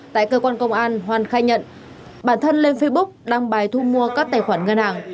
tại cơ quan công an hoan khai nhận bản thân lên facebook đăng bài thu mua các tài khoản ngân hàng